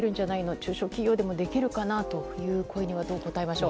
中小企業はできるかなという声にどう答えましょう。